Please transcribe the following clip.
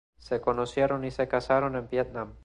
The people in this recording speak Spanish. Se conocieron y se casaron en Vietnam.